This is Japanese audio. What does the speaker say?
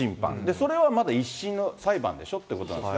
それはまだ１審の裁判でしょということなんですが。